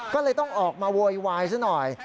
ก็เลยต้องออกมาโวยวายซะหน่อย